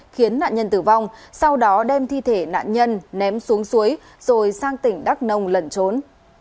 khiến nạn nhân tử vong sau đó đem thi thể nạn nhân ném xuống suối rồi sang tỉnh đắk nông lần trốn